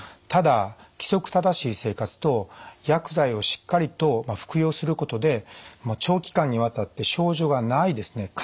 ただ規則正しい生活と薬剤をしっかりと服用することで長期間にわたって症状がないですね